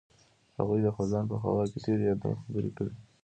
هغوی د خزان په خوا کې تیرو یادونو خبرې کړې.